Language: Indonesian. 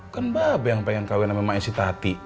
kan mbak be yang pengen kawin sama emaknya si tati